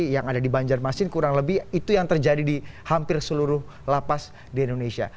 yang ada di banjarmasin kurang lebih itu yang terjadi di hampir seluruh lapas di indonesia